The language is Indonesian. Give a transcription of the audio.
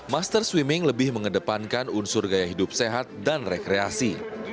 master swimming lebih mengedepankan unsur gaya hidup sehat dan rekreasi